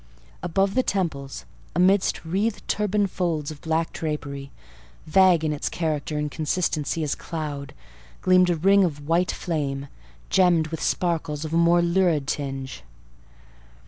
Above the temples, amidst wreathed turban folds of black drapery, vague in its character and consistency as cloud, gleamed a ring of white flame, gemmed with sparkles of a more lurid tinge.